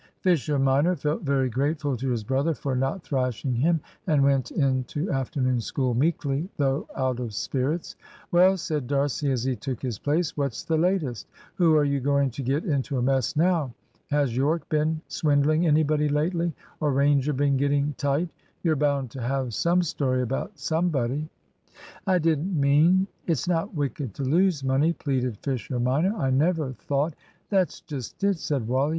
Fisher minor felt very grateful to his brother for not thrashing him, and went in to afternoon school meekly, though out of spirits. "Well," said D'Arcy, as he took his place, "what's the latest? Who are you going to get into a mess now! Has Yorke been swindling anybody lately, or Ranger been getting tight! You're bound to have some story about somebody." "I didn't mean It's not wicked to lose money," pleaded Fisher minor. "I never thought " "That's just it," said Wally.